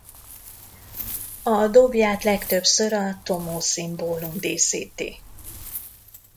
A dobját legtöbbször a tomoe szimbólum díszíti.